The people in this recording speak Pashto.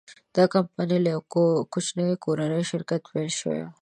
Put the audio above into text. دا کمپنۍ له یوه کوچني کورني شرکت پیل شوې وه.